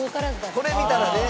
「これ見たらね」